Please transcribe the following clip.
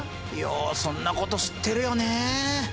ようそんなこと知ってるよね。